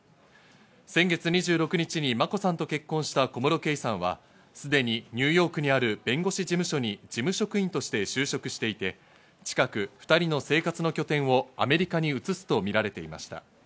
先月２６日に眞子さんと結婚した小室圭さんはすでにニューヨークにある弁護士事務所に事務職員として就職していて、近く２人の生活の拠点をアメリカに移すとみられていました。